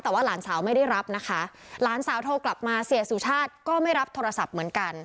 แต่ว่าหลานสาวไม่ได้รับนะคะหลานสาวโทรกลับมาเสียสุชาติก็ไม่รับโทรศัพท์เหมือนกัน